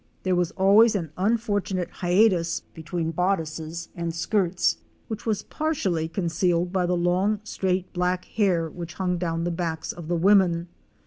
There was always an unfortunate hiatus between bodices and skirts, which was partly concealed by the long straight black hair which hung down the backs of the women.